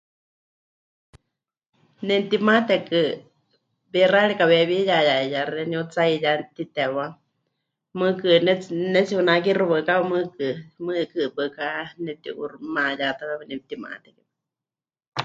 Nemɨtimatekɨ wixárika weewíyaya xeeníu tsaiyá mɨtitewá, mɨɨkɨ pɨnetsi... pɨnetsi'unakixɨ waɨkawa, mɨɨkɨ, mɨɨkɨkɨ waɨká nepɨti'uuximayátawe, nepɨtimate.